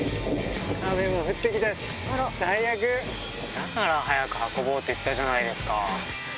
だから早く運ぼうって言ったじゃないですか。